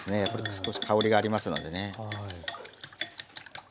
やっぱり少し香りがありますのでね。